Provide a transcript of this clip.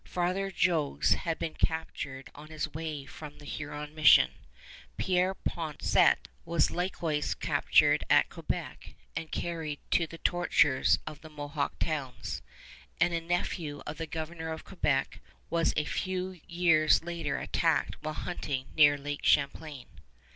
Father Jogues had been captured on his way from the Huron mission; Père Poncet was likewise kidnapped at Quebec and carried to the tortures of the Mohawk towns; and a nephew of the Governor of Quebec was a few years later attacked while hunting near Lake Champlain.